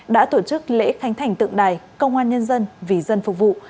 đã tổ chức lễ khánh thành tượng đài công an nhân dân vì dân phục vụ